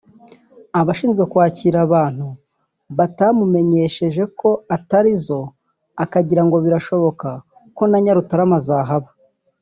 abashinzwe kwakira abantu batamumenyesheje ko atarizo akagira ngo birashoboka ko na Nyarutarama zahaba